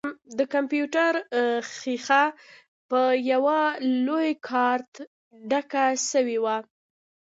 د کمپيوټر ټوله ښيښه په يوه لوى کارت ډکه سوې وه.